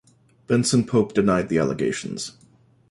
Benson-Pope denied the allegations.